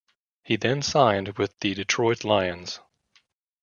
He then signed with the Detroit Lions.